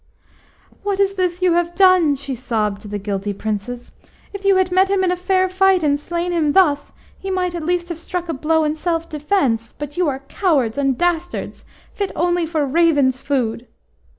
HAT is this you have done?" she sobbed to the guilty Princes. "If you had met him in fair fight, and slain him thus, he might at least have struck a blow in self defence. But you are cowards and dastards, fit only for ravens' food!"